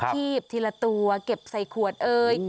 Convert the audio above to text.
ทีบทีละตัวเก็บใส่ขวดเอ่ย